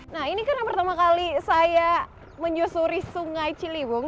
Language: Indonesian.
nah ini karena pertama kali saya menyusuri sungai ciliwung